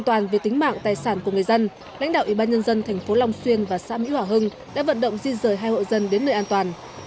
tại sản của người dân lãnh đạo ủy ban nhân dân thành phố long xuyên và xã mỹ hòa hưng đã vận động di rời hai hộ dân đến nơi an toàn